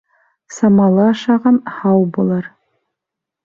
Самалы ашаған һау булыр.